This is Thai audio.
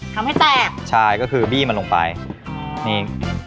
ทำให้แตกใช่ก็คือบี้มันลงไปนี่